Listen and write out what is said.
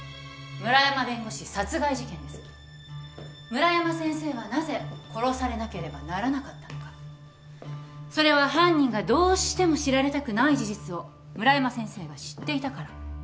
村山先生はなぜ殺されなければならなかったのか。それは犯人がどうしても知られたくない事実を村山先生が知っていたから。